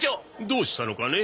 どうしたのかね？